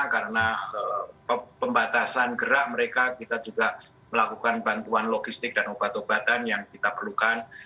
karena pembatasan gerak mereka kita juga melakukan bantuan logistik dan obat obatan yang kita perlukan